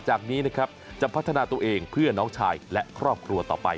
จากนี้นะครับจะพัฒนาตัวเองเพื่อน้องชายและครอบครัวต่อไป